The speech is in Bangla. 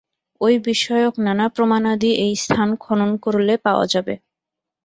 ঐ-বিষয়ক নানা প্রমাণাদি এই স্থান খনন করলে পাওয়া যাবে।